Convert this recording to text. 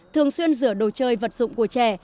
thường xuyên rửa đồ chơi vật dụng của trẻ